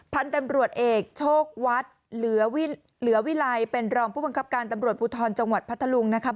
พันธุ์ตำรวจเอกโชควัดเหลือวิลัยเป็นรองผู้บังคับการตำรวจภูทรจังหวัดพัทธลุงนะครับ